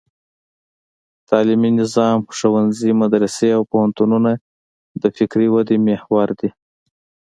تعلیمي نظام: ښوونځي، مدرسې او پوهنتونونه د فکري ودې محور دي.